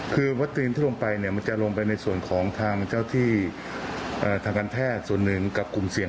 คือวัตรีที่ลงไปมันจะลงไปในส่วนของทางหศภาคที